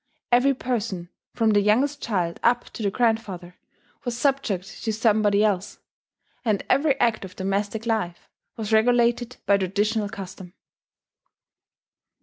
Every person, from the youngest child up to the grandfather, was subject to somebody else; and every act of domestic life was regulated by traditional custom.